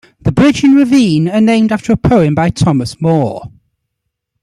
The bridge and ravine are named after a poem by Thomas Moore.